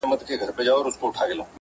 ځیني چی په ایران پاکستان